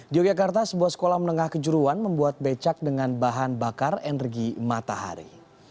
di yogyakarta sebuah sekolah menengah kejuruan membuat becak dengan bahan bakar energi matahari